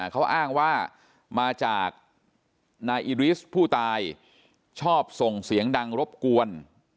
เขาอ้างว่ามาจากนายอิริสผู้ตายชอบส่งเสียงดังรบกวน